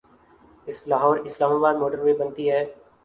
Lahore Islamabad motorway بنتی ہے۔